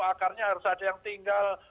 akarnya harus ada yang tinggal